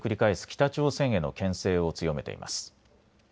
北朝鮮へのけん制を強めています。